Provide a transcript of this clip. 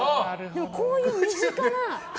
でもこういう身近な。